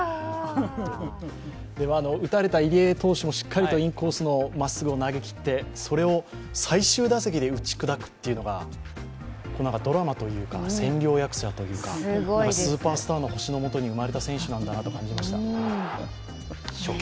打たれた入江投手も、しっかりとインコースを投げきって、それを最終打席で打ち砕くというのが、ドラマというか、千両役者というか、スーパースターの星の下に生まれた選手なんだなと感じました。